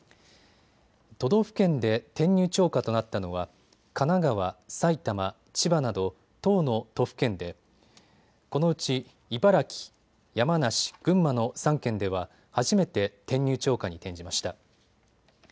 都道府県で転入超過となったのは神奈川、埼玉、千葉など１０の都府県でこのうち茨城、山梨、群馬の３県では初めて転入超過に転じました。